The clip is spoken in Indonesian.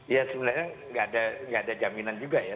ya sebenarnya nggak ada jaminan juga ya